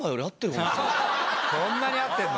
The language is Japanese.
そんなに会ってるの？